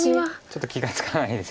ちょっと気が付かないです